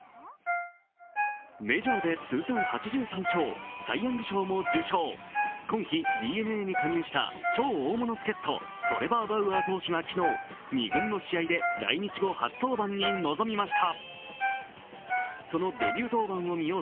メジャーで通算８３勝、サイ・ヤング賞も受賞した今季ＤｅＮＡに加入した超大物助っと、トレバー・バウアー投手が２軍の試合で来日後初登板に臨みました。